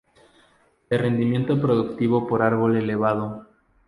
De rendimiento productivo por árbol elevado.